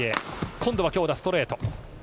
今度は強打、ストレート。